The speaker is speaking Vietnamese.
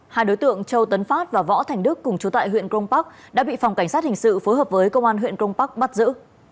hai đối tượng châu tấn phát và võ thành đức cùng chú tại huyện grongpac đã bị phòng cảnh sát hình sự phối hợp với công an huyện grongpac bắt giữ